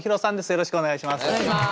よろしくお願いします。